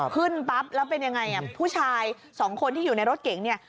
ขึ้นปั๊บแล้วเป็นยังไงอ่ะผู้ชายสองคนที่อยู่ในรถเก๋งเนี่ย